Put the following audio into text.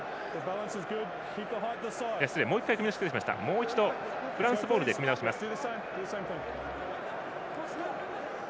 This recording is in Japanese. もう一度、フランスボールで組み直します。